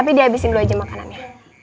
tapi dihabisin dulu aja makanannya